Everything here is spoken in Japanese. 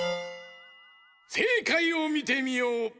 せいかいをみてみよう！